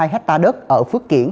ba mươi hai hectare đất ở phước kiển